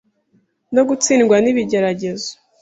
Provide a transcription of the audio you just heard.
no gutsindwa n’ibigeragezo,